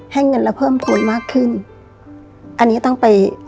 ให้เงินเราเพิ่มผลมากขึ้นอันนี้ต้องไป